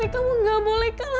kamu nggak boleh kalah